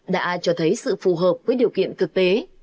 đã cho thấy sự phù hợp với điều kiện thực tế